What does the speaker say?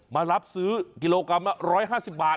มารับซื้อกิโลกรัมละ๑๕๐บาท